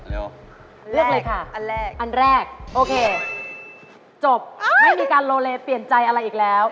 เลือกเลยค่ะอันแรกอันแรกโอเคจบไม่มีการโลเลเปลี่ยนใจอะไรอีกแล้ว